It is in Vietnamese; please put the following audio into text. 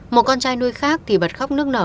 một con trai nuôi khác thì bật khóc nước nở